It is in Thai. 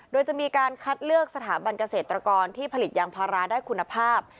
โดยจะมีการคัดเลือกสถาบันเกษตรกรที่ผลิตยางพาราได้คุณภาพ